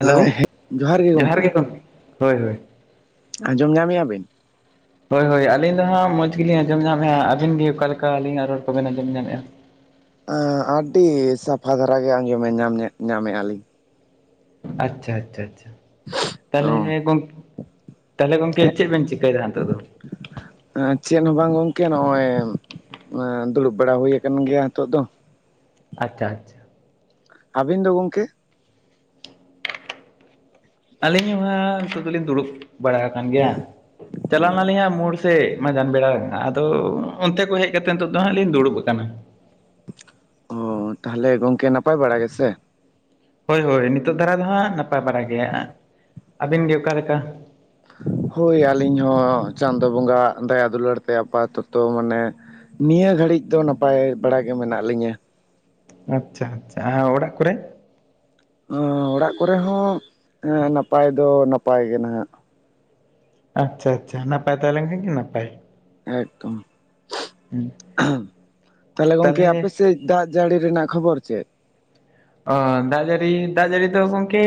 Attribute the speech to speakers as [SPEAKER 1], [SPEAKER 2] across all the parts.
[SPEAKER 1] Hello ᱡᱚᱦᱟᱨ ᱜᱮ ᱜᱚᱢᱠᱮ ᱦᱳᱭ ᱦᱳᱭ᱾
[SPEAKER 2] ᱟᱡᱚᱢ ᱧᱟᱢᱤᱭᱟ ᱵᱤᱱ?
[SPEAKER 1] ᱦᱳᱭ ᱦᱳᱭ ᱟᱹᱞᱤᱧ ᱫᱚ ᱦᱟᱸᱜ ᱢᱚᱡᱽ ᱜᱮᱞᱤᱧ ᱟᱸᱡᱚᱢ ᱧᱟᱢᱮᱫᱼᱟ ᱟᱵᱤᱱ ᱜᱮ ᱚᱠᱟᱞᱮᱠᱟ ᱵᱤᱱ ᱨᱚᱲ ᱠᱚᱵᱮᱱ ᱟᱸᱡᱚᱢ ᱧᱟᱢᱮᱫᱼᱟ?
[SPEAKER 2] ᱟᱹᱰᱤ ᱥᱟᱯᱷᱟ ᱫᱷᱟᱨᱟ ᱜᱮ ᱟᱸᱡᱚᱢ ᱧᱟᱢᱮᱫᱼᱟ ᱞᱤᱧ᱾
[SPEAKER 1] ᱟᱪᱪᱷᱟ ᱟᱪᱪᱷᱟ ᱟᱪᱪᱷᱟ᱾
[SPEAKER 2] ᱚ
[SPEAKER 1] ᱛᱟᱦᱚᱞᱮ ᱜᱚᱝ, ᱛᱟᱦᱚᱞᱮ ᱜᱚᱝᱠᱮ ᱪᱮᱫ ᱵᱮᱱ ᱪᱤᱠᱟᱹᱭᱮᱫᱟ ᱱᱤᱛᱚᱜ ᱫᱚ᱾
[SPEAKER 2] ᱪᱮᱫ ᱦᱚᱸ ᱵᱟᱝ ᱜᱚᱝᱠᱮ ᱱᱚᱜᱼᱚᱭ! ᱫᱩᱲᱩᱵ ᱵᱟᱲᱟ ᱦᱩᱭ ᱟᱠᱟᱱ ᱜᱮᱭᱟ ᱱᱤᱛᱚᱜ ᱫᱚ᱾
[SPEAKER 1] ᱟᱪᱷᱟ-ᱟᱪᱷᱟ!
[SPEAKER 2] ᱟᱹᱵᱤᱱ ᱫᱚ ᱜᱚᱝᱠᱮ?
[SPEAKER 1] ᱟᱹᱞᱤᱧ ᱦᱚᱦᱟᱸᱜ ᱱᱤᱛᱚᱜ ᱫᱚᱞᱤᱧ ᱫᱩᱲᱩᱵ ᱵᱟᱲᱟ ᱟᱠᱟᱱ ᱜᱮᱭᱟ, ᱪᱟᱞᱟᱣ ᱞᱮᱱᱟᱞᱤᱧ ᱦᱸᱟᱜ ᱢᱳᱲ ᱛᱮ ᱢᱟᱡᱟᱱ ᱵᱮᱲᱟ ᱟᱫᱚ ᱚᱱᱛᱮ ᱠᱷᱚᱱ ᱦᱮᱡ ᱠᱟᱛᱮ ᱱᱤᱛᱚᱜ ᱫᱚ ᱦᱟᱸᱜ ᱞᱤᱧ ᱫᱩᱲᱩᱵ ᱟᱠᱟᱱᱟ᱾
[SPEAKER 2] ᱚ ᱛᱟᱦᱚᱞᱮ ᱜᱚᱝᱠᱮ ᱱᱟᱯᱟᱭ ᱵᱟᱲᱟ ᱜᱮᱥᱮ?
[SPEAKER 1] ᱦᱳᱭ-ᱦᱳᱭ ᱱᱤᱛᱚᱜ ᱫᱷᱟᱨᱟ ᱫᱚ ᱦᱟᱸᱜ ᱱᱟᱯᱟᱭ ᱵᱟᱲᱟᱭ ᱜᱮᱭᱟ ᱟᱵᱤᱱ ᱜᱮ ᱚᱠᱟᱞᱮᱠᱟ?
[SPEAKER 2] ᱦᱳᱭ ᱟᱹᱞᱤᱧ ᱦᱚᱸ ᱪᱟᱸᱫᱳ ᱵᱚᱸᱜᱟᱣᱟ ᱫᱟᱭᱟ ᱫᱩᱞᱟᱹᱲ ᱛᱮ ᱟᱯᱟ ᱛᱚ ᱛᱚ ᱢᱟᱱᱮ ᱱᱤᱭᱟᱹ ᱜᱷᱟᱹᱲᱤᱡ ᱫᱚ ᱱᱟᱯᱟᱭ ᱵᱟᱲᱟ ᱜᱮ ᱢᱮᱱᱟᱜ ᱞᱤᱧᱟᱹ᱾
[SPEAKER 1] ᱟᱪᱷᱟ-ᱟᱪᱷᱟ ᱟᱨ ᱚᱲᱟᱜ ᱠᱚ ᱨᱮ ᱾
[SPEAKER 2] ᱚᱲᱟᱜ ᱠᱚ ᱨᱮ ᱦᱚᱸ ᱱᱟᱯᱟᱭ ᱫᱚ ᱱᱟᱯᱟᱭ ᱜᱮ ᱱᱟᱦᱟᱜ᱾
[SPEAKER 1] ᱟᱪᱷᱟ-ᱟᱪᱷᱟ ᱱᱟᱯᱟᱭ ᱛᱚᱦᱮ ᱞᱮ ᱠᱷᱟᱱ ᱜᱮ ᱱᱟᱯᱟᱭ
[SPEAKER 2] ᱮᱠᱫᱚᱢ,
[SPEAKER 1] ᱦᱩᱸ
[SPEAKER 2] ᱛᱟᱦᱚᱞᱮ ᱜᱚᱝᱠᱮ
[SPEAKER 1] ᱛᱟᱞᱦᱮ
[SPEAKER 2] ᱟᱯᱮ ᱥᱮᱡ ᱫᱟᱜ ᱡᱟᱹᱲᱤ ᱨᱮᱱᱟᱜ ᱠᱷᱚᱵᱚᱨ ᱪᱮᱫ?
[SPEAKER 1] ᱚᱻ ᱫᱟᱜ ᱡᱟᱹᱲᱤ, ᱫᱟᱜ ᱡᱟᱹᱲᱤ ᱫᱚ ᱜᱚᱝᱠᱮ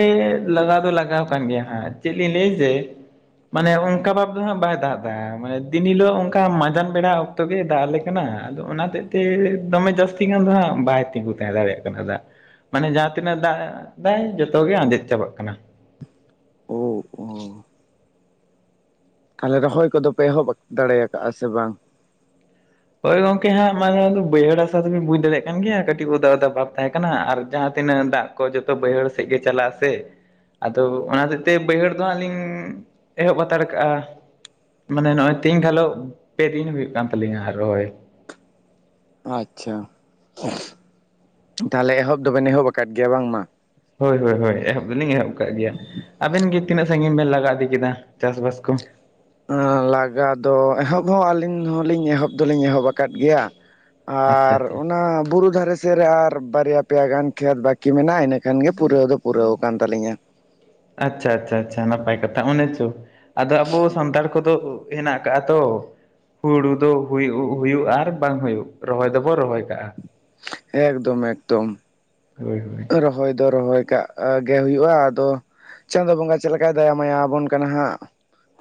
[SPEAKER 1] ᱞᱟᱜᱟᱣ ᱫᱚ ᱞᱟᱜᱟᱣ ᱟᱠᱟᱱ ᱜᱮᱭᱟ ᱦᱟᱸᱜ ᱪᱮᱫ ᱞᱤᱧ ᱞᱟᱹᱭ ᱡᱮ ᱢᱟᱱᱮ ᱚᱱᱠᱟ ᱵᱷᱟᱵ ᱫᱚ ᱦᱟᱸᱜ ᱵᱟᱭ ᱫᱟᱜ ᱫᱟ ᱢᱟᱱᱮ ᱫᱤᱱ ᱦᱤᱞᱳᱜ ᱚᱱᱠᱟ ᱢᱟᱸᱡᱟᱱ ᱵᱮᱲᱟ ᱛᱚᱵᱮ ᱫᱟᱜ ᱟᱞᱮ ᱠᱟᱱᱟ ᱟᱫᱚ ᱚᱱᱟ ᱦᱚᱛᱮᱡ ᱛᱮ ᱫᱚᱢᱮ ᱡᱟᱹᱥᱛᱤ ᱜᱟᱱ ᱫᱚ ᱦᱟᱸᱜ ᱵᱟᱭ ᱛᱤᱸᱜᱩ ᱛᱟᱦᱮᱸ ᱫᱟᱲᱮ ᱭᱟᱜ ᱠᱟᱱᱟ ᱫᱟᱜ᱾ ᱢᱟᱱᱮ ᱡᱟᱦᱟᱸ ᱛᱤᱱᱟᱹᱜ ᱫᱟᱜ ᱮᱫᱟᱭ ᱡᱷᱚᱛᱚ ᱜᱮ ᱟᱸᱡᱮᱫ ᱪᱟᱵᱟᱜ ᱠᱟᱱᱟ ᱾
[SPEAKER 2] ᱚ ᱾ ᱛᱟᱦᱚᱞᱮ ᱨᱚᱦᱚᱭ ᱠᱚ ᱫᱚ ᱯᱮ ᱮᱦᱚᱵ ᱫᱟᱲᱮ ᱭᱟᱠᱟᱫᱼᱟ ᱥᱮ ᱵᱟᱝ?
[SPEAKER 1] ᱦᱳᱭ ᱜᱚᱝᱠᱮ ᱦᱟᱸᱜ ᱢᱟᱱᱮ ᱫᱚ ᱵᱟᱹᱭᱦᱟᱹᱲ ᱟᱥᱟ ᱛᱮᱵᱤᱱ ᱵᱩᱡᱽ ᱫᱟᱲᱮ ᱭᱟᱜ ᱠᱟᱱ ᱜᱮᱭᱟ ᱠᱟᱹᱴᱤᱡ ᱚᱫᱟ ᱚᱫᱟ ᱵᱷᱟᱵ ᱛᱟᱦᱮᱸ ᱠᱟᱱᱟ ᱟᱨ ᱡᱟᱦᱟᱸ ᱛᱤᱱᱟᱹᱜ ᱫᱟᱜ ᱠᱚ ᱡᱚᱛᱚ ᱵᱟᱹᱭᱦᱟᱹᱲ ᱥᱮᱫ ᱜᱮ ᱪᱟᱞᱟᱜ ᱟ ᱥᱮ ᱟᱫᱚ ᱚᱱᱟ ᱦᱚᱛᱮᱜ ᱛᱮ ᱵᱟᱹᱭᱦᱟᱹᱲ ᱫᱚ ᱦᱟᱸᱜ ᱞᱤᱧ ᱮᱦᱚᱵ ᱦᱟᱛᱟᱲ ᱠᱟᱜᱼᱟ᱾ ᱢᱟᱱᱮ ᱱᱚᱜᱼᱚᱭ ᱛᱮᱦᱤᱧ ᱜᱷᱟᱞᱚᱜ ᱯᱮᱫᱤᱱ ᱦᱩᱭᱩᱜ ᱠᱟᱱ ᱛᱟᱞᱤᱧᱟ ᱨᱚᱦᱚᱭ᱾
[SPEAKER 2] ᱟᱪᱷᱟ, ᱛᱟᱦᱚ ᱞᱮ ᱮᱦᱚᱵ ᱫᱚ ᱵᱮᱱ ᱮᱦᱚᱵ ᱟᱠᱟᱫ ᱜᱮ ᱭᱟ ᱵᱟᱝ ᱢᱟ?
[SPEAKER 1] ᱦᱳᱭ, ᱦᱳᱭ-ᱦᱳᱭ ᱮᱦᱚᱵ ᱫᱚᱞᱤᱧ ᱮᱦᱚᱵ ᱠᱟᱜ ᱜᱮᱭᱟ᱾ ᱟᱵᱮᱱ ᱜᱮ ᱛᱤᱱᱟᱹᱜ ᱥᱟᱺᱜᱤᱧ ᱵᱮᱱ ᱞᱟᱜᱟ ᱤᱫᱤ ᱠᱮᱫᱟ ᱪᱟᱥ ᱵᱟᱥ ᱠᱚ?
[SPEAKER 2] ᱞᱟᱜᱟ ᱫᱚ ᱮᱦᱚᱵ ᱦᱚᱸ ᱟᱹᱞᱤᱧ ᱦᱚᱸᱞᱤᱧ ᱮᱦᱚᱵ ᱫᱚᱞᱤᱧ ᱮᱦᱚᱵ ᱟᱠᱟᱫ ᱜᱮᱭᱟ ᱾
[SPEAKER 1] ᱟᱪᱪᱷᱟ
[SPEAKER 2] ᱟᱨ
[SPEAKER 1] ᱟᱪᱪᱷᱟ
[SPEAKER 2] ᱚᱱᱟ ᱵᱩᱨᱩ ᱫᱷᱟᱨᱮ ᱥᱮᱫ ᱨᱮ ᱟᱨ ᱵᱟᱨ ᱭᱟ ᱯᱮᱭᱟ ᱜᱟᱱ ᱠᱷᱮᱛ ᱵᱟᱹᱠᱤ ᱢᱮᱱᱟᱜᱼᱟ ᱤᱱᱟᱹ ᱠᱷᱟᱱ ᱜᱮ ᱯᱩᱨᱟᱹᱣ ᱫᱚ ᱯᱩᱨᱟᱹᱣ ᱟᱠᱟᱱ ᱛᱟᱹᱞᱤᱧᱟ᱾
[SPEAKER 1] ᱟᱪᱷᱟ-ᱟᱪᱷᱟ ᱱᱟᱯᱟᱭ ᱠᱟᱛᱷᱟ ᱚᱱᱮ ᱪᱚ, ᱟᱫᱚ ᱟᱵᱚ ᱥᱟᱱᱛᱟᱲ ᱠᱚ ᱫᱚ ᱦᱮᱱᱟᱜ ᱠᱟᱜ ᱟ ᱛᱚ ᱦᱩᱲᱩ ᱫᱚ ᱦᱩᱭᱩᱜ, ᱦᱩᱭᱩᱜ ᱟᱨ ᱵᱟᱝ ᱦᱩᱭᱩᱜ ᱨᱚᱦᱚᱭ ᱫᱚᱵᱚ ᱨᱚᱦᱚᱭ ᱠᱟᱜᱼᱟ᱾
[SPEAKER 2] ᱮᱠᱫᱚᱢ-ᱮᱠᱫᱚᱢ᱾
[SPEAKER 1] ᱦᱳᱭ ᱦᱳᱭ
[SPEAKER 2] ᱨᱚᱦᱚᱭ ᱫᱚ ᱨᱚᱦᱚᱭ ᱠᱟᱜ ᱜᱮ ᱦᱩᱭᱩᱜᱼᱟ ᱟᱫᱚ ᱪᱟᱸᱫᱳ ᱵᱚᱸᱜᱟ ᱪᱮᱫ ᱞᱮᱠᱟᱭ ᱫᱟᱭᱟᱢ ᱢᱟᱭᱟ ᱟᱵᱚᱱ ᱠᱟᱱᱟ ᱦᱟᱸᱜ᱾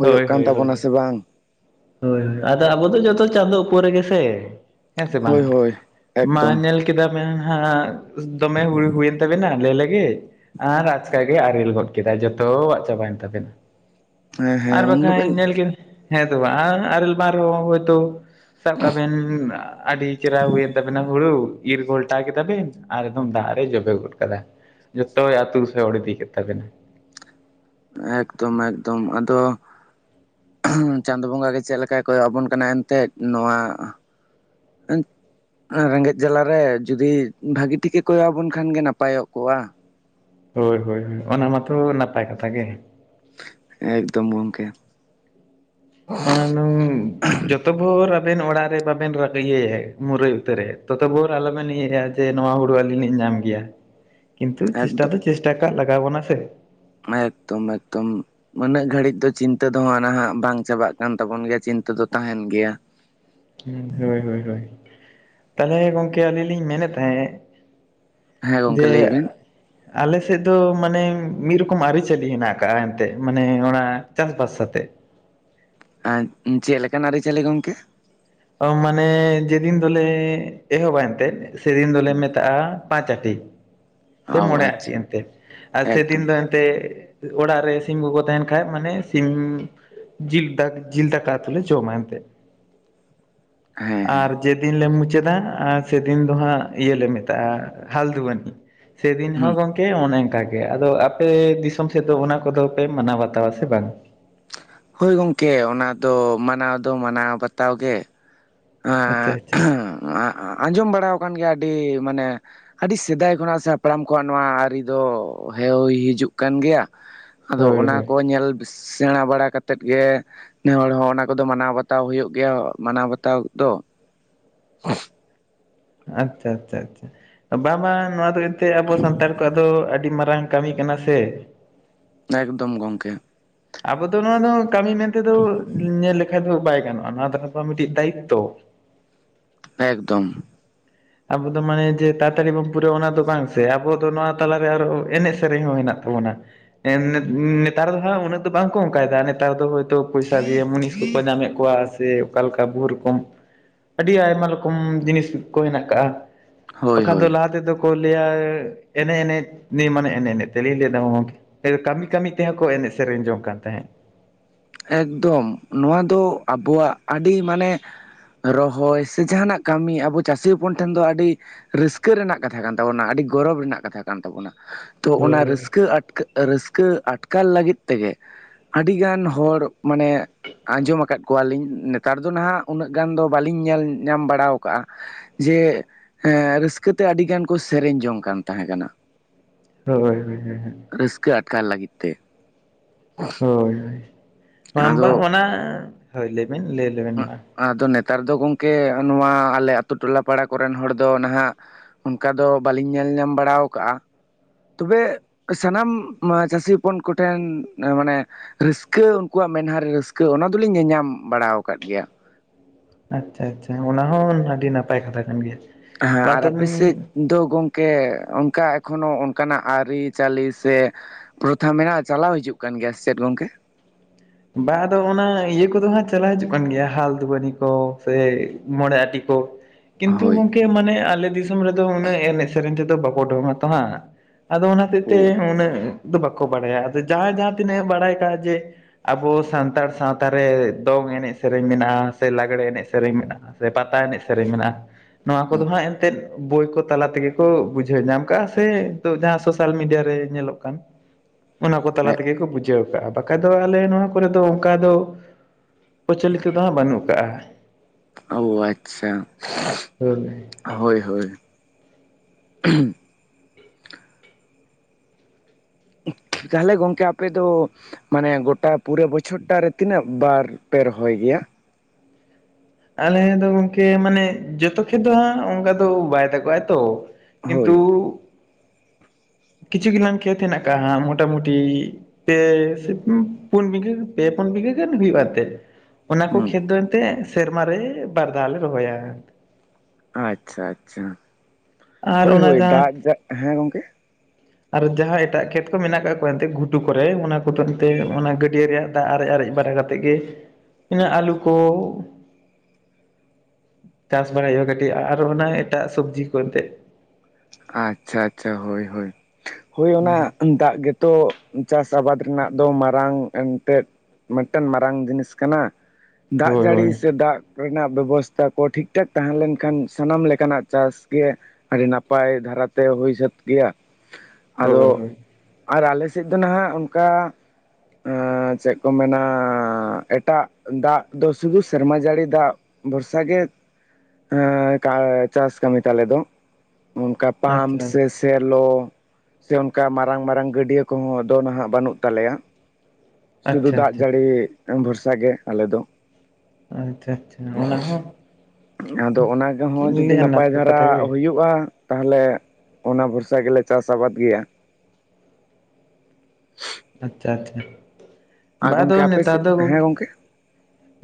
[SPEAKER 2] ᱦᱩᱭᱩᱜ ᱠᱟᱱ
[SPEAKER 1] ᱦᱳᱭ-ᱦᱳᱭ
[SPEAKER 2] ᱛᱟᱵᱚᱱᱟ ᱥᱮ ᱵᱟᱝ?
[SPEAKER 1] ᱟᱫᱚ ᱟᱵᱚ ᱫᱚ ᱡᱷᱚᱛᱚ ᱪᱟᱸᱫᱳ ᱩᱯᱚᱨ ᱜᱮ ᱥᱮ᱾ ᱦᱮᱸ ᱥᱮ ᱵᱟᱝ,
[SPEAKER 2] ᱦᱳᱭ ᱦᱳᱭ
[SPEAKER 1] ᱢᱟ
[SPEAKER 2] ᱮᱠᱫᱚᱢ
[SPEAKER 1] ᱧᱮᱞ᱾ ᱠᱮᱫᱟ ᱵᱮᱱ ᱦᱟᱜ ᱫᱚ ᱢᱮ ᱦᱩᱲᱩ ᱦᱩᱭᱮᱱ ᱛᱟᱵᱮ ᱱᱟ ᱞᱮ ᱞᱮᱜᱮᱡ᱾ ᱟᱨ ᱟᱡᱠᱟ ᱜᱮ ᱟᱨᱮᱞ ᱜᱚᱫ ᱠᱮᱫᱟᱭ ᱡᱷᱚᱛᱚ ᱣᱟᱜ ᱪᱟᱵᱟᱭ ᱮᱱ ᱛᱟᱵᱮ ᱱᱟ᱾
[SPEAKER 2] ᱦᱮᱸ
[SPEAKER 1] ᱟᱨ
[SPEAKER 2] ᱦᱮᱸ ᱩᱱ
[SPEAKER 1] ᱵᱟᱠᱷᱡ
[SPEAKER 2] ᱫᱚᱵᱮᱱ
[SPEAKER 1] ᱧᱮᱞ ᱦᱮ ᱥᱮ ᱵᱟᱝ ᱟᱹᱨᱮᱞ ᱵᱟᱝ ᱨᱮᱦᱚ ᱦᱳᱭᱛᱚ ᱥᱟᱵ ᱠᱟᱜ ᱵᱮᱱ ᱟᱹᱰᱤ ᱪᱮᱨ ᱦᱟ ᱦᱩᱭᱮᱱ ᱛᱟᱵᱮ ᱱᱟ ᱦᱩᱲᱩ ᱤᱨ ᱜᱷᱚᱞᱴᱟᱣ ᱠᱮᱫᱟ ᱵᱮᱱ ᱟᱨ ᱮᱠᱫᱚᱢ ᱫᱟᱜ ᱨᱮ ᱡᱚᱵᱮ ᱜᱚᱫ ᱠᱟᱫᱟᱭ᱾ ᱡᱚᱛᱚ ᱟᱛᱩ ᱥᱮᱭᱚᱲ ᱤᱫᱤ ᱠᱮᱫ ᱛᱟᱵᱮ ᱱᱟ᱾
[SPEAKER 2] ᱮᱠᱫᱚᱢ-ᱮᱠᱫᱚᱢ ᱟᱫᱚ ᱪᱟᱸᱫᱚ ᱵᱚᱸᱜᱟ ᱜᱮ ᱪᱮᱫ ᱞᱮᱠᱟᱭ ᱠᱚᱭᱚᱜ ᱟᱵᱚᱱ ᱠᱟᱱᱟ ᱮᱱᱛᱮᱫ ᱱᱚᱣᱟ [unintelligible] ᱨᱮᱸᱜᱮᱡ ᱡᱟᱞᱟ ᱨᱮ ᱡᱩᱫᱤ ᱵᱷᱟᱹᱜᱤ ᱴᱷᱤᱠ ᱮ ᱠᱚᱭᱚᱜ ᱟᱵᱚᱱ ᱠᱷᱟᱱ ᱜᱮ ᱱᱟᱯᱟᱭ ᱠᱚᱜᱼᱟ᱾
[SPEAKER 1] ᱦᱳᱭ ᱦᱳᱭ ᱚᱱᱟ ᱢᱟᱛᱚ ᱱᱟᱯᱟᱭ ᱠᱟᱛᱷᱟ ᱜᱮ᱾
[SPEAKER 2] ᱮᱠᱫᱚᱢ ᱜᱚᱝᱠᱮ
[SPEAKER 1] ᱚᱱᱟ [unintelligible] ᱡᱚᱛᱚ ᱵᱷᱳᱨ ᱟᱵᱮᱱ ᱚᱲᱟᱜ ᱨᱮ ᱵᱟᱵᱮᱱ ᱤᱭᱟᱹᱭᱟ, ᱢᱩᱨᱟᱹᱭ ᱩᱛᱟᱹᱨ ᱮᱫ ᱛᱚ ᱛᱚ ᱵᱷᱳᱨ ᱟᱞᱚ ᱵᱮᱱ ᱤᱭᱟᱹᱭᱟ ᱥᱮ ᱱᱚᱣᱟ ᱦᱩᱲᱩ ᱟᱹᱞᱤᱧ ᱞᱤᱧ ᱧᱟᱢ ᱜᱮᱭᱟ᱾
[SPEAKER 2] [inaudible]
[SPEAKER 1] ᱠᱤᱱᱛᱩ ᱪᱮᱥᱴᱟ
[SPEAKER 2] ᱮᱠᱫᱚᱢ
[SPEAKER 1] ᱫᱚ ᱪᱮᱥᱴᱟ ᱠᱟᱜ ᱞᱟᱜᱟᱣ ᱵᱚᱱᱟ ᱥᱮ
[SPEAKER 2] ᱮᱠᱫᱚᱢ ᱮᱠᱫᱚᱢ ᱢᱟᱱᱮ ᱩᱱᱟᱹᱜ ᱜᱷᱟᱹᱲᱤᱡ ᱫᱚ ᱪᱤᱱᱛᱟᱹ ᱫᱚ ᱱᱟᱦᱟᱜ ᱵᱟᱝ ᱪᱟᱵᱟᱜ ᱠᱟᱱ ᱛᱟᱵᱚᱱ ᱜᱮᱭᱟ ᱪᱤᱱᱛᱟᱹ ᱫᱚ ᱛᱟᱦᱮᱱ ᱜᱮᱭᱟ᱾
[SPEAKER 1] ᱦᱩᱸ ᱦᱳᱭ ᱦᱳᱭ ᱦᱳᱭ ᱛᱟᱦᱚᱞᱮ ᱜᱚᱝᱠᱮ ᱟᱹᱞᱤᱧ ᱞᱤᱧ ᱢᱮᱱᱮᱫ ᱛᱟᱦᱮᱸᱫ
[SPEAKER 2] ᱦᱮᱸ ᱜᱚᱝᱠᱮ
[SPEAKER 1] ᱡᱮ
[SPEAKER 2] ᱞᱟᱹᱭ ᱵᱤᱱ
[SPEAKER 1] ᱟᱞᱮᱥᱮᱫ ᱫᱚ ᱢᱟᱱᱮ ᱢᱤᱫ ᱨᱚᱠᱚᱢ ᱟᱹᱨᱤ ᱪᱟᱹᱞᱤ ᱦᱮᱱᱟᱜ ᱠᱟᱜ-ᱟ ᱮᱱᱛᱮᱫ ᱢᱟᱱᱮ ᱚᱱᱟ ᱪᱟᱥᱵᱟᱥ ᱥᱟᱛᱮ
[SPEAKER 2] ᱪᱮᱫ ᱞᱮᱠᱟᱱ ᱟᱹᱨᱤᱪᱟᱹᱞᱤ ᱜᱚᱝᱠᱮ?
[SPEAKER 1] ᱢᱟᱱᱮ ᱡᱮ ᱫᱤᱱ ᱫᱚᱞᱮ ᱮᱦᱚᱵᱟ ᱮᱱᱛᱮᱫ ᱥᱮᱫᱤᱱ ᱫᱚᱞᱮ ᱢᱮᱛᱟᱜ-ᱟ ᱯᱟᱸᱪ ᱟᱴᱤ ᱥᱮ
[SPEAKER 2] ᱚ
[SPEAKER 1] ᱢᱚᱬᱮ ᱟᱴᱤ
[SPEAKER 2] ᱟᱪᱪᱷᱟ
[SPEAKER 1] ᱮᱱᱛᱮ ᱟᱨ ᱥᱮᱫᱤᱱ
[SPEAKER 2] ᱮᱠᱫᱚᱢ
[SPEAKER 1] ᱫᱚ ᱛᱮ ᱚᱲᱟᱜ ᱨᱮ ᱥᱤᱢ ᱠᱚᱠᱚ ᱛᱟᱦᱮᱱ ᱠᱷᱟᱡ ᱢᱟᱱᱮ ᱥᱤᱢ ᱡᱤᱞ ᱫᱟ ᱡᱤᱞ ᱫᱟᱠᱟ ᱛᱮ ᱡᱚᱢ ᱟ ᱮᱱᱛᱮ᱾
[SPEAKER 2] ᱦᱮᱸ ᱦᱮᱸ
[SPEAKER 1] ᱟᱨ ᱡᱮᱫᱤᱱ ᱞᱮ ᱢᱩᱪᱟᱹᱫᱟ ᱟᱨ ᱥᱮᱫᱤᱱ ᱫᱚ ᱦᱟᱸᱜ ᱤᱭᱟᱹᱞ ᱞᱮ ᱢᱮᱛᱟᱜ-ᱟ ᱦᱟᱞᱫᱩᱣᱟᱱᱤ ᱥᱮᱫᱤᱱ ᱦᱚᱸ
[SPEAKER 2] ᱦᱩᱸ
[SPEAKER 1] ᱜᱚᱝᱠᱮ ᱚᱱᱮ ᱚᱱᱠᱟ ᱜᱮ ᱟᱫᱚ ᱟᱯᱮ ᱫᱤᱥᱚᱢ ᱥᱮᱫ ᱫᱚ ᱚᱱᱟ ᱠᱚᱫᱚ ᱯᱮ ᱢᱟᱱᱟᱣ ᱵᱟᱛᱟᱣᱟ ᱥᱮ ᱵᱟᱝ
[SPEAKER 2] ᱦᱳᱭ ᱜᱚᱝᱠᱮ ᱚᱱᱟ ᱫᱚ ᱢᱟᱱᱟᱣ ᱫᱚ ᱢᱟᱱᱟᱣ ᱵᱟᱛᱟᱣ ᱜᱮ᱾ ᱟ,
[SPEAKER 1] ᱟᱪᱪᱷᱟ ᱟᱪᱪᱷᱟ
[SPEAKER 2] ᱸ ᱟᱸᱡᱚᱢ ᱵᱟᱲᱟᱣ ᱠᱟᱱ ᱜᱮᱭᱟ ᱟᱹᱰᱤ ᱢᱟᱱᱮ ᱟᱹᱰᱤ ᱥᱮᱫᱟᱭ ᱠᱷᱚᱱᱟᱜ ᱥᱮ ᱦᱟᱯᱲᱟᱢ ᱠᱚᱣᱟᱜ ᱱᱚᱣᱟ ᱟᱹᱨᱤ ᱫᱚ ᱦᱮᱣ ᱦᱤᱡᱩᱜ ᱠᱟᱱ, ᱜᱮᱭᱟ ᱟᱫᱚ
[SPEAKER 1] ᱦᱳᱭ
[SPEAKER 2] ᱚᱱᱟ
[SPEAKER 1] ᱦᱳᱭ
[SPEAKER 2] ᱠᱚ ᱧᱮᱞ ᱥᱮᱬᱟ ᱵᱟᱲᱟ ᱠᱟᱛᱮᱫ ᱜᱮ ᱱᱮ ᱦᱚᱲ ᱦᱚᱸ ᱚᱱᱟ ᱠᱚᱫᱚ ᱢᱟᱱᱟᱣ ᱵᱟᱛᱟᱣ ᱦᱩᱭᱩᱜ ᱜᱮᱭᱟ ᱢᱟᱱᱟᱣ ᱵᱟᱛᱟᱣ᱾ ᱛᱟᱣ ᱫᱚ
[SPEAKER 1] ᱟᱪᱪᱷᱟ ᱟᱪᱪᱷᱟ ᱟᱪᱪᱷᱟ ᱵᱟᱝ ᱵᱟᱝ ᱱᱚᱣᱟ ᱫᱚ ᱮᱱᱛᱮᱫ ᱟᱵᱚ ᱥᱟᱱᱛᱟᱲ ᱠᱚᱣᱟᱜ ᱫᱚ ᱟᱹᱰᱤ ᱢᱟᱨᱟᱝ ᱠᱟᱹᱢᱤ ᱠᱟᱱᱟ ᱥᱮ
[SPEAKER 2] ᱮᱠᱫᱚᱢ ᱜᱚᱝᱠᱮ
[SPEAKER 1] ᱟᱵᱚ ᱫᱚ ᱱᱚᱣᱟ ᱫᱚ ᱠᱟᱹᱢᱤ ᱢᱮᱱ ᱛᱮᱫᱚ ᱧᱮᱞ ᱞᱮᱠᱷᱟᱱ ᱫᱚ ᱵᱟᱭ ᱜᱟᱱᱚᱜ-ᱟ ᱱᱚᱣᱟ ᱫᱚ ᱟᱵᱚᱣᱟᱜ ᱢᱤᱫᱴᱤᱡ ᱫᱟᱭᱤᱛᱛᱚ
[SPEAKER 2] ᱮᱠᱫᱚᱢ
[SPEAKER 1] ᱟᱵᱚ ᱫᱚ ᱢᱟᱱᱮ ᱡᱮ ᱛᱟᱲᱟ ᱛᱟᱲᱤ ᱵᱚᱱ ᱯᱩᱨᱟᱹᱣ-ᱟ ᱚᱱᱟ ᱫᱚ ᱵᱟᱝ ᱥᱮ ᱟᱵᱚ ᱫᱚ ᱱᱚᱣᱟ ᱛᱟᱞᱟᱨᱮ ᱟᱨᱚ ᱮᱱᱮᱡ ᱥᱮᱨᱮᱧ ᱦᱚᱸ ᱢᱮᱱᱟᱜ ᱛᱟᱵᱚᱱᱟ ᱱᱮᱛᱟᱨ ᱫᱚ ᱦᱟᱸᱜ ᱩᱱᱟᱹᱜ ᱫᱚ ᱵᱟᱝ ᱠᱚ ᱚᱱᱠᱟᱭᱟ ᱱᱮᱛᱟᱨ ᱫᱚ ᱦᱳᱭᱛᱳ ᱯᱚᱭᱥᱟ ᱫᱤᱭᱮ ᱢᱩᱱᱤᱥ ᱠᱚᱠᱚ ᱧᱟᱢᱮᱫ ᱠᱚᱣᱟ ᱥᱮ ᱚᱠᱟᱞᱮᱠᱟ ᱵᱚᱦᱩ ᱨᱚᱠᱚᱢ ᱟᱹᱰᱤ ᱟᱭᱢᱟ ᱨᱚᱠᱚᱢ ᱡᱤᱱᱤᱥ ᱠᱚ ᱦᱮᱱᱟᱜ ᱠᱟ ᱟᱜ
[SPEAKER 2] ᱦᱳᱭ
[SPEAKER 1] ᱵᱟᱠᱟ ᱫᱚ
[SPEAKER 2] ᱦᱳᱭ
[SPEAKER 1] ᱞᱟᱦᱟ ᱛᱮ ᱫᱚ ᱠᱚ ᱞᱟᱹᱭ ᱟ ᱮᱱᱮᱡ ᱮᱱᱮᱡ ᱱᱤ ᱢᱟᱱᱮ ᱮᱱᱮᱡ ᱮᱱᱮᱡ ᱛᱮ ᱞᱤᱧ ᱞᱮᱭ ᱫᱟ ᱜᱚᱢᱠᱮ ᱠᱟᱹᱢᱤ ᱠᱟᱹᱢᱤ ᱛᱮᱦᱚᱸ ᱠᱚ ᱮᱱᱮᱡ ᱥᱮᱨᱮᱧ ᱡᱚᱝ ᱠᱟᱱ ᱛᱟᱦᱮᱸᱫ
[SPEAKER 2] ᱮᱠᱫᱚᱢ, ᱱᱚᱣᱟ ᱫᱚ ᱟᱵᱚᱣᱟᱜ ᱟᱹᱰᱤ ᱢᱟᱱᱮ ᱨᱚᱦᱚᱭ ᱥᱮ ᱡᱟᱦᱟᱱᱟᱜ ᱠᱟᱹᱢᱤ ᱟᱵᱚ ᱪᱟᱹᱥᱤ ᱦᱚᱯᱚᱱ ᱴᱷᱮᱱ ᱫᱚ ᱟᱹᱰᱤ ᱨᱟᱹᱥᱠᱟᱹ ᱨᱮᱱᱟᱜ ᱠᱟᱛᱷᱟ ᱠᱟᱱ ᱛᱟᱵᱚᱱᱟ ᱟᱹᱰᱤ ᱜᱚᱨᱚᱵ ᱨᱮᱱᱟᱜ ᱠᱟᱛᱷᱟ ᱠᱟᱱ ᱛᱟᱵᱚᱱᱟ ᱛᱚ, ᱚᱱᱟ
[SPEAKER 1] ᱦᱳᱭ
[SPEAKER 2] ᱨᱟᱹᱥᱠᱟᱹ ᱨᱟᱹᱥᱠᱟᱹ ᱟᱴᱠᱟᱨ ᱞᱟᱹᱜᱤᱫ ᱛᱮᱜᱮ ᱟᱹᱰᱤ ᱜᱟᱱ ᱦᱚᱲ ᱢᱟᱱᱮ ᱟᱸᱡᱚᱢ ᱠᱟᱫ ᱠᱚᱣᱟ ᱞᱤᱧ ᱱᱮᱛᱟᱨ ᱫᱚ ᱱᱟᱦᱟᱜ ᱩᱱᱟᱹᱜ ᱜᱟᱱ ᱫᱚ ᱵᱟᱹᱞᱤᱧ ᱧᱮᱞ ᱧᱟᱢ ᱵᱟᱲᱟ ᱠᱟᱜ-ᱟ᱾ ᱡᱮ ᱦᱮᱸ ᱨᱟᱹᱥᱠᱟᱹᱛᱮ ᱟᱹᱰᱤ ᱜᱟᱱ ᱠᱚ ᱥᱮᱨᱮᱧ ᱡᱚᱝ ᱠᱟᱱ ᱛᱟᱦᱮᱸ ᱠᱟᱱᱟ
[SPEAKER 1] ᱦᱳᱭ ᱦᱳᱭ ᱦᱳᱭ
[SPEAKER 2] ᱨᱟᱹᱥᱠᱟᱹ ᱟᱴᱠᱟᱨ ᱞᱟᱹᱜᱤᱫ ᱛᱮ᱾
[SPEAKER 1] ᱦᱳᱭ ᱦᱳᱭ ᱵᱟᱝ ᱵᱟ
[SPEAKER 2] ᱟᱫᱚ
[SPEAKER 1] ᱚᱱᱟ ᱦᱳᱭ ᱞᱟᱹᱭ ᱵᱤᱱ ᱞᱟᱹᱭ ᱞᱮᱵᱮᱱ ᱢᱟ
[SPEAKER 2] ᱟᱫᱚ ᱱᱮᱛᱟᱨ ᱫᱚ ᱜᱚᱝᱠᱮ ᱱᱚᱣᱟ ᱟᱞᱮ ᱟᱛᱩ ᱴᱚᱞᱟ ᱯᱟᱲᱟ ᱠᱚᱨᱮᱱ ᱦᱚᱲ ᱫᱚ ᱱᱟᱦᱟᱜ ᱚᱱᱠᱟ ᱫᱚ ᱵᱟᱹᱞᱤᱧ ᱧᱮᱞ ᱧᱟᱢ ᱵᱟᱲᱟ ᱠᱟᱣ-ᱟ ᱛᱚᱵᱮ ᱥᱟᱱᱟᱢ ᱪᱟᱹᱥᱤ ᱦᱚᱯᱚᱱ ᱠᱚᱴᱷᱮᱱ ᱢᱟᱱᱮ ᱨᱟᱹᱥᱠᱟᱹ ᱩᱱᱠᱩᱣᱟᱜ ᱢᱮᱫᱦᱟ ᱨᱮ ᱨᱟᱹᱥᱠᱟᱹ, ᱚᱱᱟ ᱫᱚ ᱞᱤᱧ ᱧᱮᱧᱟᱢ ᱵᱟᱲᱟ ᱟᱠᱟᱫ ᱜᱮᱭᱟ᱾
[SPEAKER 1] ᱟᱪᱪᱷᱟ ᱟᱪᱪᱷᱟ ᱾ ᱚᱱᱟ ᱦᱚᱸ ᱟᱹᱰᱤ ᱱᱟᱯᱟᱭ ᱠᱟᱛᱷᱟ ᱠᱟᱱ ᱜᱮᱭᱟ᱾
[SPEAKER 2] ᱦᱮᱸ
[SPEAKER 1] ᱵᱟ
[SPEAKER 2] ᱟᱨ ᱟᱯᱮ ᱥᱮᱫ
[SPEAKER 1] ᱛᱚᱵᱮ
[SPEAKER 2] ᱫᱚ ᱜᱚᱝ ᱠᱮ ᱚᱱᱠᱟ ᱮᱠᱷᱚᱱᱳ ᱚᱱᱠᱟᱱᱟᱜ ᱟᱹᱨᱤᱪᱟᱹᱞᱤ ᱥᱮ ᱯᱨᱚᱛᱷᱟ ᱢᱮᱱᱟᱜᱼᱟ, ᱪᱟᱞᱟᱣ ᱦᱤᱡᱩᱜ ᱠᱟᱱ ᱜᱮᱭᱟ ᱥᱮ ᱪᱮᱫ ᱜᱚᱝᱠᱮ?
[SPEAKER 1] ᱵᱟ ᱟᱫᱚ ᱚᱱᱟ ᱤᱭᱟᱹ ᱠᱚᱫᱚ ᱦᱟᱸᱜ ᱪᱟᱞᱟᱣ ᱦᱤᱡᱩᱜ ᱠᱟᱱ ᱜᱮᱭᱟ, ᱦᱟᱞ ᱫᱩᱵᱟᱹᱱᱤ ᱠᱚ ᱥᱮ ᱢᱚᱬᱮ ᱟᱴᱤ ᱠᱚ ᱠᱤᱱᱛᱩ
[SPEAKER 2] ᱦᱳᱭ
[SPEAKER 1] ᱜᱚᱝᱠᱮ ᱢᱟᱱᱮ ᱟᱞᱮ ᱫᱤᱥᱚᱢ ᱨᱮᱫᱚ ᱩᱱᱟᱹᱜ ᱮᱱᱮᱡ ᱥᱮᱨᱮᱧ ᱛᱮᱫᱚ ᱵᱟᱠᱚ ᱩᱰᱩᱚᱝ ᱟ ᱛᱚ ᱦᱟᱸᱜ, ᱟᱫᱚ ᱚᱱᱟ
[SPEAKER 2] ᱳ
[SPEAKER 1] ᱛᱮ ᱩᱱᱟᱹᱜ ᱫᱚ ᱵᱟᱠᱚ ᱵᱟᱲᱟᱭᱟ᱾ ᱟᱫᱚ ᱡᱟᱦᱟᱸ ᱡᱟᱦᱟᱸ ᱛᱤᱱᱟᱹᱜ ᱵᱟᱲᱟᱭ ᱛᱟᱦᱮᱱ ᱡᱮ ᱟᱵᱚ ᱥᱟᱱᱛᱟᱲ ᱥᱟᱶᱛᱟ ᱨᱮ ᱫᱚᱝ ᱮᱱᱮᱡ ᱥᱮᱨᱮᱧ ᱢᱮᱱᱟᱜᱼᱟ, ᱥᱮ ᱞᱟᱜᱽᱲᱮ ᱮᱱᱮᱡ ᱥᱮᱨᱮᱧ ᱢᱮᱱᱟᱜᱼᱟ ᱥᱮ ᱯᱟᱛᱟ ᱮᱱᱮᱡ ᱥᱮᱨᱮᱧ ᱢᱮᱱᱟᱜᱼᱟ᱾ ᱱᱚᱣᱟ ᱠᱚᱫᱚ ᱦᱟᱸᱜ ᱮᱱᱛᱮᱫ ᱵᱳᱭ ᱠᱚ ᱛᱟᱞᱟ ᱛᱮᱜᱮ ᱠᱚ ᱵᱩᱡᱷᱟᱹᱣ ᱧᱟᱢ ᱠᱟᱜᱼᱟ, ᱥᱮ ᱱᱤᱛᱚᱜ ᱡᱟᱦᱟᱸ ᱥᱳᱥᱟᱞ ᱢᱤᱰᱤᱭᱟ ᱨᱮ ᱧᱮᱞᱚᱜ ᱠᱟᱱ ᱚᱱᱟ ᱠᱚ ᱛᱟᱞᱟ ᱛᱮᱜᱮ ᱠᱚ ᱵᱩᱡᱷᱟᱹᱣ ᱠᱟᱜᱼᱟ ᱵᱟᱠᱷᱟᱡ ᱫᱚ ᱛᱟᱦᱚᱞᱮ ᱱᱚᱣᱟ ᱠᱚᱨᱮ ᱫᱚ ᱚᱱᱠᱟ ᱫᱚ ᱯᱨᱚᱪᱚᱞᱤᱛᱚ ᱫᱚ ᱦᱟᱸᱜ ᱵᱟᱹᱱᱩᱜ ᱠᱟᱜᱼᱟ ᱾
[SPEAKER 2] ᱳ ᱟᱪᱪᱷᱟ
[SPEAKER 1] ᱦᱳᱭ
[SPEAKER 2] ᱦᱳᱭ ᱦᱳᱭ ᱾ ᱛᱟᱦᱚᱞᱮ ᱜᱚᱝᱠᱮ ᱟᱯᱮ ᱫᱚ ᱢᱟᱱᱮ ᱜᱚᱴᱟ ᱯᱩᱨᱟᱹ ᱵᱚᱪᱷᱚᱨ ᱴᱟᱜ ᱨᱮ ᱛᱤᱱᱟᱹᱜ ᱵᱟᱨ ᱯᱮ ᱨᱚᱦᱚᱭ ᱜᱮᱭᱟ?
[SPEAKER 1] ᱟᱞᱮ ᱫᱚ ᱜᱚᱢᱠᱮ ᱢᱟᱱᱮ ᱡᱚᱛᱚ ᱠᱷᱮᱛ ᱫᱚ ᱦᱟᱸᱜ ᱚᱱᱠᱟ ᱫᱚ ᱵᱟᱭ ᱫᱟᱜ ᱟᱭ ᱛᱚ
[SPEAKER 2] ᱦᱳᱭ
[SPEAKER 1] ᱠᱤᱱᱛᱩ ᱠᱤᱪᱷᱩ ᱜᱮᱞᱟᱝ ᱠᱷᱮᱛ ᱦᱮᱱᱟᱜ ᱠᱟᱜᱼᱟ, ᱢᱚᱴᱟᱢᱩᱴᱤ ᱯᱮ ᱯᱩᱱ ᱵᱤᱜᱟᱹ ᱯᱮ ᱯᱩᱱ ᱵᱤᱜᱷᱟᱹ ᱜᱟᱱ ᱦᱩᱭᱩᱜᱼᱟ ᱟᱛᱮ ᱚᱱᱟ ᱠᱚ
[SPEAKER 2] ᱦᱩᱸ
[SPEAKER 1] ᱠᱷᱮᱛ ᱫᱚ ᱮᱱᱛᱮᱜ ᱥᱮᱨᱢᱟ ᱨᱮ ᱵᱟᱨ ᱫᱷᱟᱣ ᱞᱮ ᱨᱚᱦᱚᱭᱟ ᱾
[SPEAKER 2] ᱟᱪᱪᱷᱟ ᱟᱪᱪᱷᱟ ᱾
[SPEAKER 1] ᱟᱨ ᱚᱱᱟ ᱡᱟ
[SPEAKER 2] ᱦᱮᱸ ᱜᱚᱝᱠᱮ
[SPEAKER 1] ᱟᱨ ᱡᱟᱦᱟᱸ ᱮᱴᱟᱜ ᱠᱷᱮᱛ ᱠᱚ ᱢᱮᱱᱟᱜ ᱠᱟᱜ ᱠᱚᱣᱟ ᱮᱱᱛᱮ ᱜᱷᱩᱴᱩ ᱠᱚᱨᱮ ᱚᱱᱟ ᱵᱚᱫᱚᱞ ᱛᱮ ᱚᱱᱟ ᱜᱟᱹᱰᱭᱟᱹ ᱨᱮᱭᱟᱜ ᱫᱟᱜ ᱟᱨᱮᱡ ᱟᱨᱮᱡ ᱵᱟᱲᱟ ᱠᱟᱛᱮᱫ ᱜᱮ ᱤᱱᱟᱹ ᱟᱹᱞᱩ ᱠᱚ ᱪᱟᱥ ᱵᱟᱲᱟᱭ ᱦᱩᱭᱩᱜᱼᱟ ᱠᱟᱹᱴᱤᱡ, ᱟᱨᱚ ᱚᱱᱟ ᱮᱴᱟᱜ ᱥᱚᱵᱽᱡᱤ ᱠᱚᱛᱮᱜ
[SPEAKER 2] ᱟᱪᱪᱷᱟ ᱟᱪᱪᱷᱟ ᱦᱳᱭ ᱦᱳᱭ ᱦᱳᱭ ᱚᱱᱟ ᱫᱟᱜ ᱜᱮᱛᱚ ᱪᱟᱥ ᱟᱵᱟᱫᱽ ᱨᱮᱱᱟᱜ ᱫᱚ ᱢᱟᱨᱟᱝ ᱮᱱᱛᱮᱫ ᱢᱤᱫᱴᱮᱱ ᱢᱟᱨᱟᱝ ᱡᱤᱱᱤᱥ ᱠᱟᱱᱟ᱾ ᱫᱟᱜ
[SPEAKER 1] ᱦᱳᱭ
[SPEAKER 2] ᱡᱟᱹᱲᱤ
[SPEAKER 1] ᱦᱳᱭ
[SPEAKER 2] ᱥᱮ ᱫᱟᱜ ᱨᱮᱱᱟᱜ ᱵᱮᱵᱚᱥᱛᱷᱟ ᱠᱚ ᱴᱷᱤᱠ ᱴᱷᱟᱠ ᱛᱟᱦᱮᱸ ᱞᱮᱱᱠᱷᱟᱱ ᱥᱟᱱᱟᱢ ᱞᱮᱠᱟᱱᱟᱜ ᱪᱟᱥ ᱜᱮ ᱟᱹᱰᱤ ᱱᱟ ᱯᱟᱭ ᱫᱷᱟᱨᱟ ᱛᱮ ᱦᱩᱭ ᱥᱟᱹᱛ ᱜᱮᱭᱟ᱾ ᱟᱫᱚ
[SPEAKER 1] ᱦᱳᱭ ᱦᱳᱭ
[SPEAKER 2] ᱟᱨ ᱟᱞᱮ ᱥᱮᱫ ᱫᱚ ᱱᱟᱦᱟᱜ ᱚᱱᱠᱟ ᱪᱮᱫ ᱠᱚ ᱢᱮᱱᱟ ᱮᱴᱟᱜ ᱫᱟᱜ ᱫᱚ ᱥᱩᱫᱷᱩ ᱥᱮᱨᱢᱟ ᱡᱟᱹᱲᱤ ᱫᱟᱜ ᱵᱚᱨᱥᱟ ᱜᱮ ᱪᱟᱥ ᱠᱟᱹᱢᱤ ᱛᱟᱞᱮ ᱫᱚ ᱾ ᱚᱱᱠᱟ ᱯᱟᱢᱯ
[SPEAKER 1] ᱟᱪᱪᱷᱟ
[SPEAKER 2] ᱥᱮ ᱥᱮᱞᱚ ᱥᱮ ᱚᱱᱠᱟ ᱢᱟᱨᱟᱝ ᱢᱟᱨᱟᱝ ᱜᱟᱹᱰᱭᱟᱹ ᱠᱚᱦᱚᱸ ᱫᱚ ᱱᱟᱦᱟᱜ ᱵᱟᱹᱱᱩᱜ ᱛᱟᱞᱮᱭᱟ ᱾ ᱥᱩᱫᱷᱩ
[SPEAKER 1] ᱟᱪᱪᱷᱟ
[SPEAKER 2] ᱫᱟᱜ
[SPEAKER 1] ᱟᱪᱪᱷᱟ
[SPEAKER 2] ᱡᱟᱹᱲᱤ ᱵᱷᱚᱨᱥᱟ ᱜᱮ ᱟᱞᱮ ᱫᱚ ᱾
[SPEAKER 1] ᱟᱪᱪᱷᱟ ᱟᱪᱪᱷᱟ ᱚᱱᱟ ᱦᱚᱸ
[SPEAKER 2] ᱟᱫᱚ ᱚᱱᱟ
[SPEAKER 1] ᱪᱮᱫ
[SPEAKER 2] ᱜᱮᱦᱚᱸ
[SPEAKER 1] ᱤᱧ
[SPEAKER 2] ᱡᱩᱫᱤ
[SPEAKER 1] ᱞᱟᱹᱭᱟ
[SPEAKER 2] ᱱᱟᱯᱟᱭ ᱫᱷᱟᱨᱟ
[SPEAKER 1] ᱠᱟᱛᱷᱟ ᱜᱮ
[SPEAKER 2] ᱦᱩᱭᱩᱜᱼᱟ᱾ ᱛᱟᱦᱚᱞᱮ ᱚᱱᱟ ᱵᱷᱚᱨᱥᱟ ᱜᱮᱞᱮ ᱪᱟᱥ ᱟᱵᱟᱫᱽ ᱜᱮᱭᱟ᱾
[SPEAKER 1] ᱟᱪᱪᱷᱟ ᱟᱪᱪᱷᱟ ᱾
[SPEAKER 2] ᱟᱨ ᱜᱚᱢᱠᱮ ᱟᱯᱮ ᱥᱮᱫ? ᱦᱮᱸ ᱜᱚᱢᱠᱮ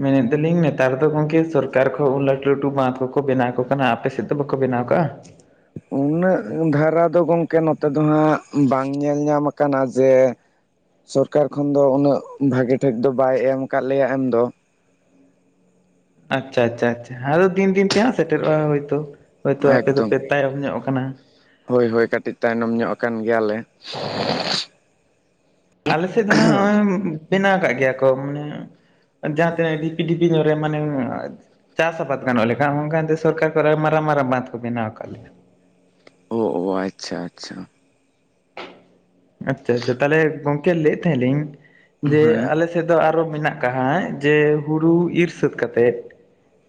[SPEAKER 1] ᱢᱮᱱᱮᱫ ᱫᱟᱞᱤᱧ ᱱᱮᱛᱟᱨ ᱫᱚ ᱜᱚᱝᱠᱮ ᱥᱚᱨᱠᱟᱨ ᱠᱷᱚᱡ ᱞᱟᱹᱴᱩ ᱞᱟᱹᱴᱩ ᱵᱟᱸᱫᱷ ᱠᱚᱠᱚ ᱵᱮᱱᱟᱣ ᱟᱠ ᱠᱟᱱᱟ ᱟᱯᱮ ᱥᱮᱫ ᱫᱚ ᱵᱟᱠᱚ ᱵᱮᱱᱟᱣ ᱠᱟᱜᱼᱟ?
[SPEAKER 2] ᱩᱱᱟᱹᱜ ᱫᱷᱟᱨᱟ ᱫᱚ ᱜᱚᱢᱠᱮ ᱱᱚᱛᱮ ᱫᱚ ᱦᱟᱸᱜ ᱵᱟᱝ ᱧᱮᱞ ᱧᱟᱢ ᱟᱠᱟᱱᱟ ᱡᱮ ᱥᱚᱨᱠᱟᱨ ᱠᱷᱚᱱ ᱫᱚ ᱩᱱᱟᱹᱜ ᱵᱷᱟᱜᱤ ᱴᱷᱤᱠ ᱫᱚ ᱵᱟᱭ ᱮᱢ ᱟᱠᱟᱫ ᱞᱮᱭᱟ ᱮᱢ ᱫᱚ ᱾
[SPEAKER 1] ᱟᱪᱪᱷᱟ ᱟᱪᱪᱷᱟ ᱟᱪᱪᱷᱟ ᱟᱫᱚ ᱫᱤᱱ ᱫᱤᱱ ᱛᱮ ᱦᱟᱸᱜ ᱥᱮᱴᱮᱨᱚᱜᱼᱟ, ᱦᱳᱭ ᱛᱚ ᱦᱚᱭᱛᱳ ᱟᱯᱮ ᱫᱚᱯᱮ
[SPEAKER 2] ᱮᱠᱫᱚᱢ
[SPEAKER 1] ᱛᱟᱭᱚᱢ ᱧᱚᱜ ᱠᱟᱱᱟ ᱾
[SPEAKER 2] ᱦᱳᱭ ᱦᱳᱭ ᱠᱟᱹᱴᱤᱡ ᱛᱟᱭᱱᱚᱢ ᱧᱚᱜ ᱟᱠᱟᱱ ᱜᱮᱭᱟᱞᱮ
[SPEAKER 1] ᱟᱞᱮ ᱥᱮᱫ ᱫᱚ ᱦᱟᱸᱜ ᱱᱚᱜᱼᱚᱭ ᱵᱮᱱᱟᱣ ᱠᱟᱜ ᱜᱮᱭᱟ ᱠᱚ ᱢᱟᱱᱮ ᱡᱟᱦᱟ ᱛᱤᱱᱟᱹᱜ ᱰᱷᱤᱯᱤ ᱰᱷᱤᱯᱤ ᱧᱚᱜ ᱨᱮ ᱢᱟᱱᱮ ᱪᱟᱥ ᱟᱵᱟᱫ ᱜᱟᱱᱚᱜ ᱞᱮᱠᱟ, ᱚᱱᱠᱟ ᱫᱚ ᱥᱚᱨᱠᱟᱨ ᱠᱚᱨᱮ ᱢᱟᱨᱟᱝ ᱢᱟᱨᱟᱝ ᱵᱟᱸᱫᱷ ᱠᱚ ᱵᱮᱱᱟᱣ ᱠᱟᱜ ᱞᱮᱭᱟ ᱾
[SPEAKER 2] ᱚ ᱟᱪᱪᱷᱟ ᱟᱪᱪᱷᱟ ᱾
[SPEAKER 1] ᱟᱪᱪᱷᱟ ᱟᱪᱪᱷᱟ ᱛᱟᱦᱞᱮ ᱜᱚᱝᱠᱮ ᱞᱟᱹᱭᱮᱫ ᱛᱟᱦᱮᱸᱞᱤᱧ ᱡᱮ
[SPEAKER 2] ᱦᱮᱸ
[SPEAKER 1] ᱟᱞᱮ ᱥᱮᱫ ᱫᱚ ᱟᱨᱦᱚ ᱢᱮᱱᱟᱜ ᱟᱠᱟᱫ ᱡᱮ ᱦᱩᱲᱩ ᱤᱨ ᱥᱟᱹᱛ ᱠᱟᱛᱮᱫ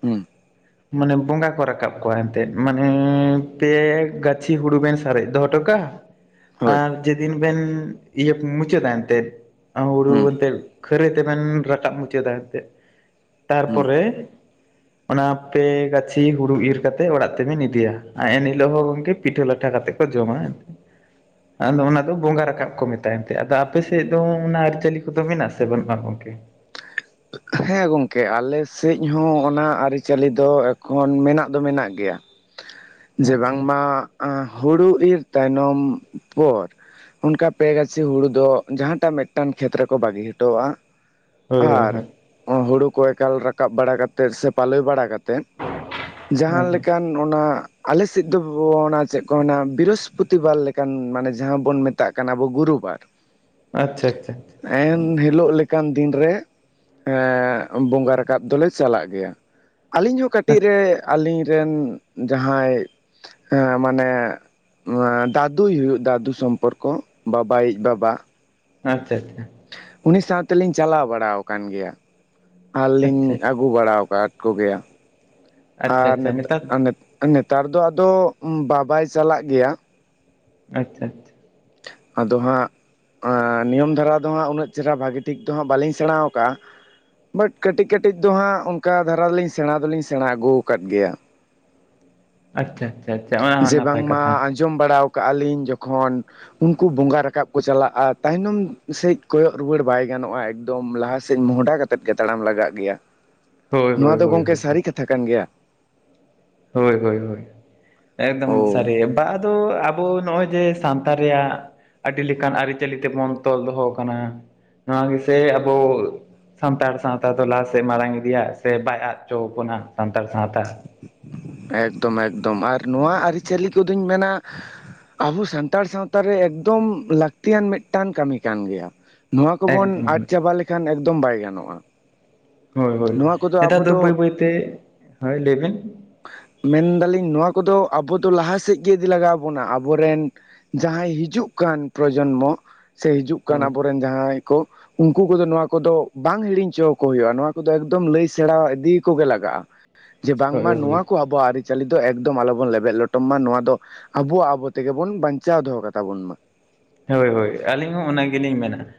[SPEAKER 2] ᱦᱩᱸ,
[SPEAKER 1] ᱢᱟᱱᱮ ᱵᱚᱸᱜᱟ ᱠᱚ ᱨᱟᱠᱟᱵ ᱠᱚᱣᱟ ᱮᱱᱛᱮᱫ ᱢᱟᱱᱮ ᱯᱮ ᱜᱟᱹᱪᱷᱤ ᱦᱩᱲᱩ ᱵᱮᱱ ᱥᱟᱨᱮᱡ ᱫᱚᱦᱚ ᱦᱚᱴᱚ ᱠᱟᱜᱼᱟ
[SPEAKER 2] [unintelligible]
[SPEAKER 1] ᱟᱨ ᱡᱮᱫᱤᱱ ᱵᱮᱱ ᱢᱩᱪᱟᱹᱫᱟ ᱮᱱᱛᱮᱫ ᱦᱩᱲᱩ
[SPEAKER 2] ᱦᱩᱸ
[SPEAKER 1] ᱮᱱᱛᱮᱫ ᱠᱷᱟᱹᱨᱟᱹᱭ ᱛᱮᱵᱮᱱ ᱨᱟᱠᱟᱵ ᱢᱩᱪᱟᱹᱫᱟ ᱮᱱᱛᱮᱫ,
[SPEAKER 2] ᱦᱩᱸ
[SPEAKER 1] ᱛᱟᱨᱯᱚᱨᱮ ᱚᱱᱟ ᱛᱮ ᱜᱟᱹᱪᱷᱤ ᱦᱩᱲᱩ ᱤᱨ ᱠᱟᱛᱮᱫ ᱚᱲᱟᱜ ᱛᱮᱵᱮᱱ ᱤᱫᱤᱭᱟ ᱟᱨ ᱮᱱᱦᱤᱞᱳᱜ ᱦᱚᱸ ᱜᱚᱢᱠᱮ ᱯᱤᱴᱷᱟᱹ ᱞᱟᱴᱷᱟ ᱠᱟᱛᱮᱫ ᱠᱚ ᱡᱚᱢᱟ ᱮ
[SPEAKER 2] [unintelligible]
[SPEAKER 1] ᱟᱫᱚ ᱚᱱᱟ ᱫᱚ ᱵᱚᱸᱜᱟ ᱨᱟᱠᱟᱵ ᱠᱚ ᱢᱮᱛᱟᱜ ᱮᱱᱛᱮ, ᱟᱫᱚ ᱟᱯᱮ ᱥᱮᱫ ᱫᱚ ᱚᱱᱟ ᱟᱹᱨᱤᱪᱟᱹᱞᱤ ᱠᱚᱫᱚ ᱢᱮᱱᱟᱜ ᱥᱮ ᱵᱟᱹᱱᱩᱜᱼᱟ ᱜᱚᱝᱠᱮ?
[SPEAKER 2] ᱦᱮᱸ ᱜᱚᱝᱠᱮ, ᱟᱞᱮ ᱥᱮᱫ ᱦᱚᱸ ᱚᱱᱟ ᱟᱹᱨᱤᱪᱟᱹᱞᱤ ᱫᱚ ᱮᱠᱷᱚᱱ ᱢᱮᱱᱟᱜ ᱫᱚ ᱢᱮᱱᱟᱜ ᱜᱮᱭᱟ, ᱡᱮ
[SPEAKER 1] ᱟᱪᱪᱷᱟ
[SPEAKER 2] ᱵᱟᱝᱢᱟ ᱦᱩᱲᱩ ᱤᱨ ᱛᱟᱭᱱᱚᱢ ᱯᱚᱨ ᱚᱱᱠᱟ ᱯᱮ ᱜᱟᱹᱪᱷᱤ ᱦᱩᱲᱩ ᱫᱚ ᱡᱟᱦᱟᱸᱴᱟᱜ ᱢᱤᱫᱴᱟᱝ ᱠᱷᱮᱛ ᱨᱮᱠᱚ ᱵᱟᱹᱜᱤ ᱦᱚᱴᱚᱣᱟᱜᱼᱟ,
[SPEAKER 1] ᱦᱳᱭ ᱦᱳᱭ
[SPEAKER 2] ᱟᱨ
[SPEAKER 1] ᱦᱳᱭ
[SPEAKER 2] ᱦᱩᱲᱩ ᱠᱚ ᱮᱠᱟᱞ ᱨᱟᱠᱟᱵ ᱵᱟᱲᱟ ᱠᱟᱛᱮ ᱥᱮ ᱯᱟᱞᱚᱭ ᱵᱟᱲᱟ ᱠᱟᱛᱮᱜ ᱡᱟᱦᱟᱸ
[SPEAKER 1] ᱦᱳᱭ ᱦᱳᱭ
[SPEAKER 2] ᱞᱮᱠᱟᱱ ᱚᱱᱟ ᱟᱞᱮ ᱥᱮᱫ ᱫᱚ ᱚᱱᱟ ᱪᱮᱫ ᱠᱚ ᱢᱮᱱᱟ ᱵᱨᱤᱦᱚᱥᱯᱚᱛᱤᱵᱟᱨ ᱞᱮᱠᱟᱱ ᱢᱟᱱᱮ ᱡᱟᱦᱟᱸ ᱵᱚᱱ ᱢᱮ ᱛᱟᱜ ᱠᱟᱱᱟᱵᱚ ᱜᱩᱨᱩ ᱵᱟᱨ,
[SPEAKER 1] ᱟᱪᱪᱷᱟ ᱟᱪᱪᱷᱟ ᱾
[SPEAKER 2] ᱮᱱ ᱦᱤᱞᱳᱜ ᱞᱮᱠᱟᱱ ᱫᱤᱱ ᱨᱮ ᱮᱸ ᱵᱚᱸᱜᱟ ᱨᱟᱠᱟᱵ ᱫᱚᱞᱮ ᱪᱟᱞᱟᱜ ᱜᱮᱭᱟ, ᱟᱹᱞᱤᱧ ᱦᱚᱸ
[SPEAKER 1] ᱟᱪᱪᱷᱟ
[SPEAKER 2] ᱠᱟᱹᱴᱤᱡ ᱨᱮ ᱟᱹᱞᱤᱧ ᱨᱮᱱ ᱡᱟᱦᱟᱸᱭ ᱮ ᱢᱟᱱᱮ ᱟ ᱫᱟᱫᱩᱭ ᱦᱩᱭᱩᱜ ᱫᱟᱫᱩ ᱥᱚᱢᱯᱚᱨᱠᱚ ᱵᱟᱵᱟᱭᱤᱡ ᱵᱟᱵᱟ,
[SPEAKER 1] ᱟᱪᱪᱷᱟ ᱟᱪᱪᱷᱟ ᱾
[SPEAKER 2] ᱩᱱᱤ ᱥᱟᱶᱛᱮᱞᱤᱧ ᱪᱟᱞᱟᱣ ᱵᱟᱲᱟ ᱟᱠᱟᱱ ᱜᱮᱭᱟ, ᱟᱨᱞᱤᱧ
[SPEAKER 1] ᱟᱪᱪᱷᱟ
[SPEAKER 2] ᱟ ᱜᱩ ᱵᱟᱲᱟ ᱟᱠᱟᱫ ᱠᱚᱜᱮᱭᱟ
[SPEAKER 1] ᱟᱪᱪᱷᱟ
[SPEAKER 2] ᱟᱨ
[SPEAKER 1] ᱟᱪᱪᱷᱟ
[SPEAKER 2] ᱱᱤᱛ
[SPEAKER 1] ᱱᱮᱛᱟᱨ
[SPEAKER 2] ᱟ ᱱᱤᱛ ᱱᱮᱛᱟᱨ ᱫᱚ ᱟᱫᱚ ᱵᱟᱵᱟᱭ ᱪᱟᱞᱟᱜ ᱜᱮᱭᱟ ᱾
[SPEAKER 1] ᱟᱪᱪᱷᱟ ᱟᱪᱪᱷᱟ ᱾
[SPEAKER 2] ᱟᱫᱚ ᱦᱟᱸᱜ ᱟᱸ ᱱᱤᱭᱚᱢ ᱫᱷᱟᱨᱟ ᱫᱚ ᱦᱟᱸᱜ ᱩᱱᱟᱹᱜ ᱪᱮᱨᱦᱟ ᱵᱷᱟᱹᱜᱤ ᱴᱷᱤᱠ ᱫᱚ ᱦᱟᱸᱜ ᱵᱟᱹᱞᱤᱧ ᱥᱮᱬᱟᱣ ᱠᱟᱜᱼᱟ, ᱵᱟᱴ ᱠᱟᱹᱴᱤᱡ ᱠᱟᱹᱴᱤᱡ ᱫᱚ ᱦᱟᱸᱜ ᱚᱱᱠᱟ ᱫᱷᱟᱨᱟ ᱫᱚᱞᱤᱧ ᱥᱮᱬᱟ ᱫᱚᱞᱤᱧ ᱥᱮᱬᱟ ᱟᱹᱜᱩ ᱠᱟᱫ ᱜᱮᱭᱟ ᱾
[SPEAKER 1] ᱟᱪᱪᱷᱟ ᱪᱷᱟ ᱪᱷᱟ, ᱚᱱᱟ ᱦᱚᱸ ᱱᱟᱯᱟᱭ ᱠᱟᱛᱷᱟ ᱾
[SPEAKER 2] ᱡᱚᱢ ᱵᱟᱲᱟᱣ ᱠᱟᱜᱼᱟ ᱞᱤᱧ ᱡᱚᱠᱷᱚᱱ ᱩᱱᱠᱩ ᱵᱚᱸᱜᱟ ᱨᱟᱠᱟᱵ ᱠᱚ ᱪᱟᱞᱟᱜᱼᱟ ᱛᱟᱭᱱᱚᱢ ᱥᱮᱫ ᱠᱚᱭᱚᱜ ᱨᱩᱣᱟᱹᱲ ᱵᱟᱭ ᱜᱟᱱᱚᱜᱼᱟ, ᱮᱠᱫᱚᱢ ᱞᱟᱦᱟ ᱥᱮᱫ ᱢᱚᱦᱚᱰᱟ ᱠᱟ ᱛᱮᱫ ᱜᱮ ᱛᱟᱲᱟᱢ ᱞᱟᱜᱟᱜ ᱜᱮᱭᱟ,
[SPEAKER 1] ᱦᱳᱭ ᱦᱳᱭ
[SPEAKER 2] ᱱᱚᱣᱟ ᱫᱚ
[SPEAKER 1] ᱦᱳᱭ
[SPEAKER 2] ᱜᱚᱝᱠᱮ
[SPEAKER 1] ᱦᱳᱭ
[SPEAKER 2] ᱥᱟᱹᱨᱤ ᱠᱟᱛᱷᱟ ᱠᱟᱱ ᱜᱮᱭᱟ?
[SPEAKER 1] ᱦᱳᱭ ᱦᱳᱭ ᱦᱳᱭ, ᱮᱠᱫᱚᱢ
[SPEAKER 2] ᱚ
[SPEAKER 1] ᱥᱟᱹᱨᱤ, ᱵᱟ ᱟᱫᱚ ᱟᱵᱚ ᱱᱚᱜᱼᱚᱭ ᱡᱮ ᱥᱟᱱᱛᱟᱲ ᱨᱮᱭᱟᱜ ᱟᱹᱰᱤ ᱞᱮᱠᱟᱱ ᱟᱹᱨᱤᱪᱟᱹᱞᱤ ᱛᱮᱵᱚᱱ ᱛᱚᱞ ᱫᱚᱦᱚ ᱟᱠᱟᱱᱟ ᱱᱚᱣᱟ ᱜᱮ ᱥᱮ ᱟᱵᱳ ᱥᱟᱱᱛᱟᱲ ᱥᱟᱶᱛᱟ ᱫᱚ ᱞᱟᱦᱟᱥᱮᱫ ᱢᱟᱨᱟᱝ ᱤᱫᱤᱭᱟ ᱥᱮ ᱵᱟᱭ ᱟᱫ ᱦᱚᱪᱚ ᱵᱚᱱᱟ ᱥᱟᱱᱛᱟᱲ ᱥᱟᱶᱛᱟ᱾
[SPEAKER 2] ᱮᱠᱫᱚᱢ ᱮᱠᱫᱚᱢ ᱟᱨ ᱱᱚᱣᱟ ᱟᱹᱨᱤᱪᱟᱹᱞᱤ ᱠᱚᱫᱚᱧ ᱢᱮᱱᱟ ᱟᱵᱚ ᱥᱟᱱᱛᱟᱲ ᱥᱟᱶᱛᱟ ᱨᱮ ᱮᱠᱫᱚᱢ ᱞᱟᱹᱠᱛᱤᱭᱟᱱ ᱢᱤᱫᱴᱟᱱ ᱠᱟᱹᱢᱤ ᱠᱟᱱ ᱜᱮᱭᱟ ᱾ ᱱᱚᱣᱟ ᱠᱚᱵᱚᱱ ᱟᱫ
[SPEAKER 1] ᱮᱠᱫᱚᱢ
[SPEAKER 2] ᱪᱟᱵᱟ ᱞᱮᱠᱷᱟᱱ ᱮᱠᱫᱚᱢ ᱵᱟᱭ ᱜᱟᱱᱚᱜᱼᱟ ᱾
[SPEAKER 1] ᱦᱳᱭ ᱦᱳᱭ, ᱱᱮᱛᱟᱨ ᱫᱚ ᱵᱟᱹᱭ ᱵᱟᱹᱭᱛᱮ, ᱦᱳᱭ ᱞᱟᱹᱭ ᱵᱤᱱ᱾
[SPEAKER 2] ᱢᱮᱱ ᱫᱟᱹᱞᱤᱧ ᱱᱚᱣᱟ ᱠᱚᱫᱚ ᱟᱵᱚ ᱫᱚ ᱞᱟᱦᱟ ᱥᱮᱫ ᱜᱮ ᱤᱫᱤ ᱞᱟᱜᱟᱣ ᱵᱚᱱᱟ, ᱟᱵᱚᱨᱮᱱ ᱡᱟᱦᱟᱸᱭ ᱦᱤᱡᱩᱜ ᱠᱟᱱ ᱯᱨᱚᱡᱚᱱᱢᱚ, ᱥᱮ ᱦᱤᱡᱩᱜ ᱠᱟᱱ
[SPEAKER 1] ᱦᱳᱭ
[SPEAKER 2] ᱟᱵᱚᱨᱮᱱ ᱡᱟᱦᱟᱸᱭ ᱠᱚ ᱩᱱᱠᱩ ᱠᱚᱫᱚ ᱱᱚᱣᱟ ᱠᱚᱫᱚ ᱵᱟᱝ ᱦᱤᱲᱤᱧ ᱪᱚ ᱟᱠᱚ ᱦᱩᱭᱩᱜᱼᱟ, ᱱᱚᱣᱟ ᱠᱚᱫᱚ ᱮᱠᱫᱚᱢ ᱞᱟᱹᱭ ᱥᱮᱬᱟ ᱤᱫᱤ ᱠᱚᱜᱮ ᱞᱟᱜᱟᱜᱼᱟ ᱾ ᱡᱮ ᱵᱟᱝᱢᱟ
[SPEAKER 1] ᱦᱳᱭ
[SPEAKER 2] ᱱᱚᱣᱟ
[SPEAKER 1] ᱦᱳᱭ
[SPEAKER 2] ᱠᱚ ᱟᱵᱚᱣᱟᱜ ᱟᱹᱨᱤᱪᱟᱹᱞᱤ ᱫᱚ ᱮᱠᱫᱚᱢ ᱟᱞᱚᱵᱚᱱ ᱞᱮᱵᱮᱫ ᱞᱚᱴᱚᱢ ᱢᱟ ᱱᱚᱣᱟ ᱫᱚ ᱟᱵᱚᱣᱟᱜ ᱟᱵᱚ ᱛᱮᱜᱮᱵᱚᱱ ᱵᱟᱧᱪᱟᱣ ᱫᱚᱦᱚ ᱠᱟᱛᱟᱵᱚᱱ ᱢᱟ ᱾
[SPEAKER 1] ᱦᱳᱭ ᱦᱳᱭ, ᱟᱹᱞᱤᱧ ᱦᱚᱸ ᱚᱱᱟ ᱜᱮᱞᱤᱧ ᱢᱮᱱᱟ ᱾